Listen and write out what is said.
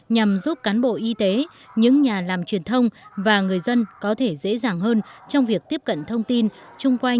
nhằm giúp cán bộ y tế những nhà làm truyền thông và người dân có thể dùng vaccine